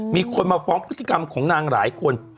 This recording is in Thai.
มีคนมาฟ้องพฤติกรรมของนางหลายคน